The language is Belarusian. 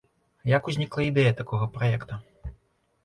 Як узнікла ідэя такога праекта?